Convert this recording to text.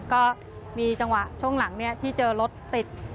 ก็มีจังหวะช่วงหลังที่เจอรถติด